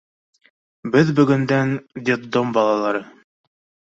Беҙ бөгөндән — детдом балалары.